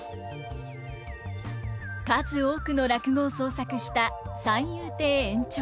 数多くの落語を創作した三遊亭圓朝。